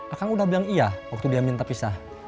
akang udah bilang iya waktu dia minta pisah